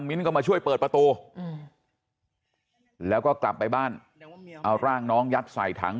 ก็มาช่วยเปิดประตูแล้วก็กลับไปบ้านเอาร่างน้องยัดใส่ถัง